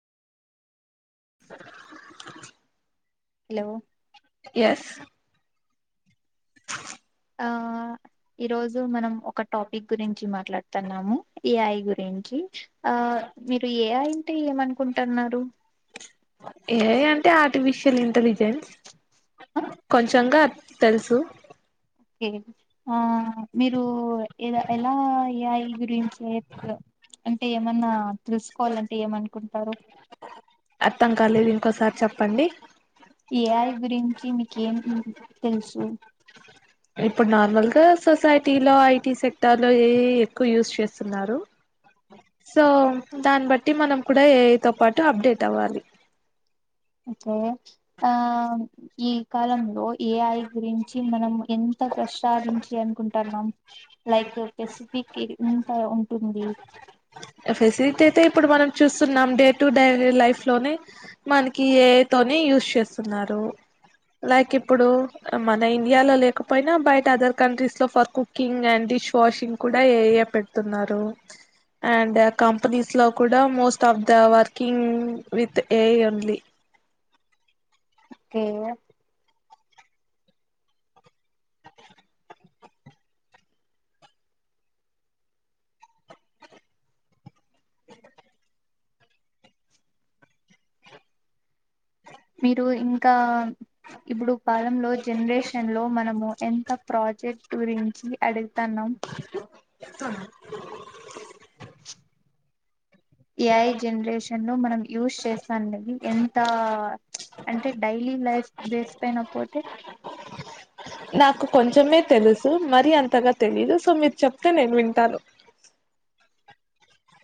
hello yes ఆ ఈ రోజు మనం ఒక టాప్ మీ గురించి మాట్లాడుతన్నాము ఏఐ గురించి ఆ మీరు ఏఐ అంతే ఏమనుకుంటున్నారు ఏ అంటే ఆర్టిఫిషియల్ ఇంటెలిజెన్స్ కొంచంగా తెలుసు ఓకే ఆ మీరు ఎలా ఎలా ఏఐ ఈ గురించి అంటే ఏమన్నా తెలుసుకోవాలంటే ఏమనుకుంటానారు అర్థం కాలేదు ఇంకోసారి చెప్పండి ఏఐ గురించి మీక్ ఏం అని తెలుసు ఇప్పుడు నార్మల్గా సొసైటీలో ఐటీ సెక్టర్లో ఏ ఎక్కువ యూస్ చేస్తున్నారు సో దాన్ని బట్టి మనం కూడా ఏఐ తో పాటు అప్డేట్ అవ్వాలి ఓకే ఆ ఈ కాలంలో ఏఐ గురించి మనం ఎంత్ అంత ప్రసాదించి అనుకుంటన్నాం లైక్ పెసిఫిక్ ఎంత ఉంటుంది ఫెసిలిటీ అయితే ఇప్పుడు మనం చూస్తున్నాం డే టు డే లైఫ్ లోనే మనకి ఏఐ తోనే యూస్ చేస్తున్నారు లైక్ ఇప్పుడు మన ఇండియాలో లేకపోయినా బయట అదర్ కంట్రీస్ లో for cooking and dish washing కూడా ఏఐ పెడుతున్నారు అండ్ కంపెనీస్ లో కూడా most of the working with AI ఉంది ఓకే మీరు ఇంకా ఇప్పుడు కాలంలో జనరేషన్ లో మనము ఎంత ప్రాజెక్ట్ గురించి అడుగుతన్నాం తన్నా ఏఐ జనరేషన్ లో మనం యూస్్ చేస్తాది ఎంత అంటే డైలీ లైఫ్ బేస్ పోయిన పోతే నాకు కొంచమే తెలుసు మరి అంతగా తెలీదు సో మీరు చెప్తే నేను వింటాను